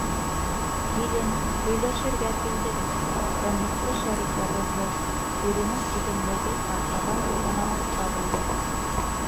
—Килен, һөйләшергә килдек, — тынлыҡты Шәрифә боҙҙо, иренең түҙемлеген артабан һынамаҫҡа булды.